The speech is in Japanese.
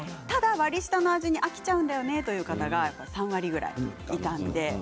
ただ割り下の味に飽きちゃうんだよねという方が３割ぐらいいたんで。